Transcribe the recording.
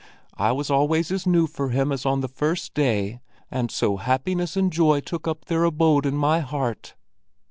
I was always as new for him as on the first day, and so happiness and joy took up their abode in my heart."